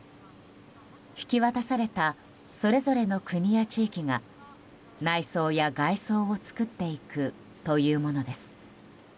引き渡されたそれぞれの国や地域が内装や外装を作っていくというものです。